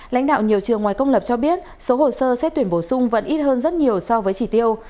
lãnh đạo nhiều trường ngoài công lập cho biết số hồ sơ xét tuyển bổ sung vẫn ít hơn rất nhiều so với chỉ tiêu